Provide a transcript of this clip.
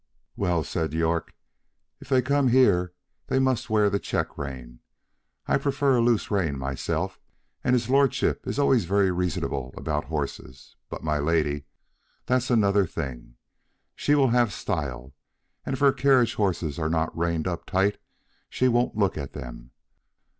"Well," said York, "if they come here, they must wear the check rein. I prefer a loose rein myself, and his lordship is always very reasonable about horses; but my lady that's another thing; she will have style, and if her carriage horses are not reined up tight she wouldn't look at them.